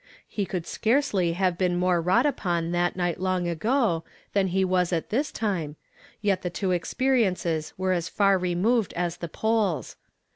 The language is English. He could scarcely have been more wrought upon that night long ago, than he was at this time, yet the two experiences were as far removed as the poles.